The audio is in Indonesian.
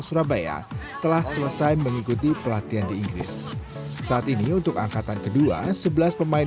surabaya telah selesai mengikuti pelatihan di inggris saat ini untuk angkatan kedua sebelas pemain